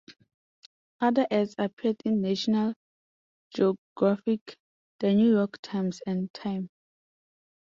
Other ads appeared in "National Geographic", "The New York Times" and "Time".